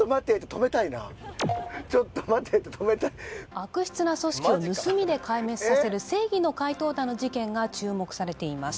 ちょっと待てって止めたい悪質な組織を盗みで壊滅させる正義の怪盗団の事件が注目されています